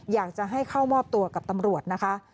อยากจะให้เข้ามอบตัวกับตำรวจนะคะ